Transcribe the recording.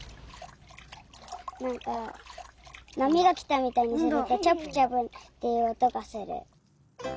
なんかなみがきたみたいにするとチャプチャプっていうおとがする。